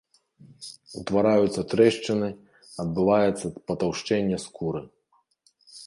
Утвараюцца трэшчыны, адбываецца патаўшчэнне скуры.